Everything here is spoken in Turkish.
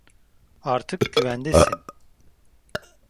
Artık güvendesin.